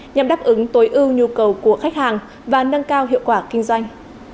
nhằm đáp ứng tối ưu nhu cầu của khách hàng và nâng cao hiệu quả kinh doanh